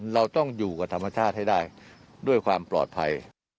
เราต้องอยู่กับธรรมชาติให้ได้ด้วยความปลอดภัย